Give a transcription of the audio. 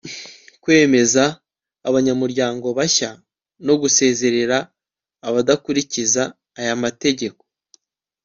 kwemeza abanyamuryango bashya no gusezerera abadakurikiza aya mategeko